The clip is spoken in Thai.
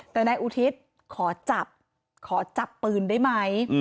แต่นายอุทิศขอจับขอจับปืนได้ไหม